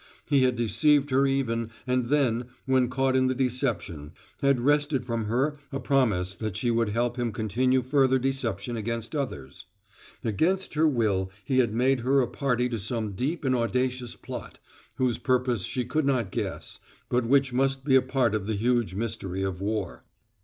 He had deceived her even, and then, when caught in the deception, had wrested from her a promise that she would help him continue further deception against others. Against her will he had made her a party to some deep and audacious plot, whose purpose she could not guess, but which must be but a part of the huge mystery of war.